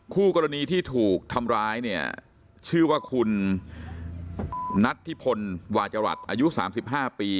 คู่กรณีที่ถูกทำร้ายเนี่ยชื่อว่าคุณนัทธิพลวาจรัฐอายุ๓๕ปี